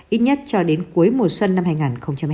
ít nhất cho đến cuối mùa